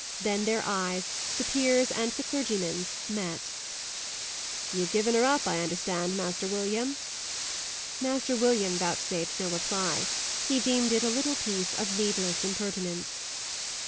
Then their eyes the peer's and the clergyman's met. "Ye have given her up, I understand, Master William?" "Master William" vouchsafed no reply. He deemed it a little piece of needless impertinence.